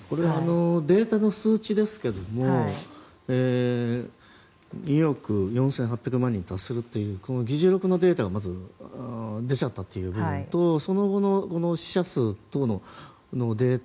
データの数字ですが２億４８００万人に達するというこのデータがまず出たという部分とその後の死者数とのデータ